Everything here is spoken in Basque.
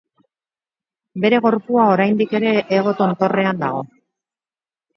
Bere gorpua oraindik ere Hego tontorrean dago.